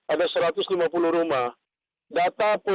ada satu ratus lima puluh rumah